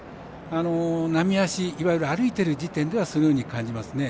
常歩いわゆる歩いている時点ではそのように感じますね。